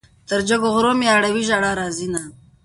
تر جګو غرو مې اړوي ژړا راځينه